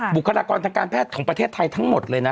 บุคลากรทางการแพทย์ของประเทศไทยทั้งหมดเลยนะ